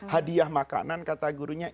hadiah makanan kata gurunya